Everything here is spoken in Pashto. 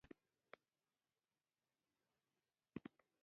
چې د پیغمبر د هجرت په وخت کې.